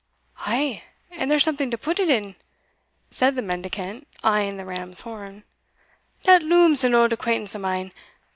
"Ay, and there's something to pit it in," said the mendicant, eyeing the ram's horn "that loom's an auld acquaintance o' mine.